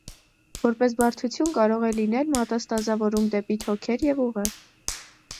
Որպես բարդություն կարող է լինել մետաստազավորում դեպի թոքեր և ուղեղ։